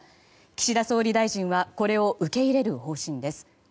岸田総理大臣はこれを受け入れる方針です。